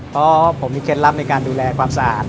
เพราะผมมีเคล็ดลับในการดูแลความสะอาด